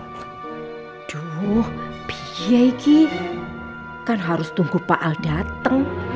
aduh biar lagi kan harus tunggu pak al dateng